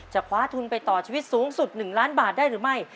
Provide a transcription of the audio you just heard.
คว้าทุนไปต่อชีวิตสูงสุด๑ล้านบาทได้หรือไม่